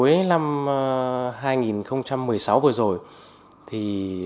năm hai nghìn một mươi sáu vừa rồi